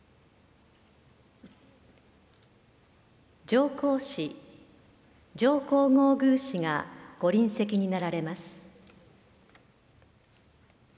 上皇使、上皇后宮使がご臨席になられます。